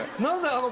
何だ